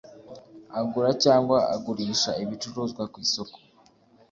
agura cyangwa agurisha ibicuruzwa ku isoko